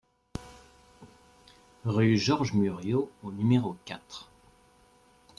Rue Georges Muriot au numéro quatre